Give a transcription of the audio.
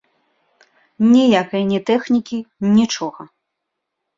Ніякай ні тэхнікі, нічога!